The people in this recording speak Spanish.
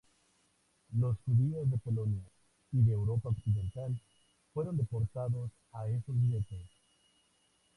Los judíos de Polonia y de Europa occidental fueron deportados a esos guetos.